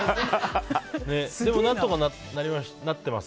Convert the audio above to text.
でも、何とかなってます。